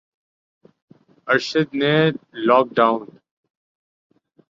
ارشد نے lock down